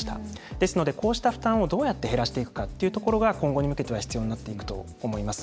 ですので、こうした負担をどうやって減らしていくかというところが、今後に向けては必要になっていくと思います。